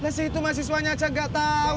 nah situ mahasiswanya aja nggak tau